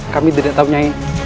kami tidak tahunya